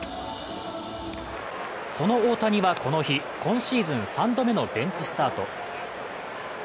その大谷はこの日、今シーズン３度目のベンチスタート。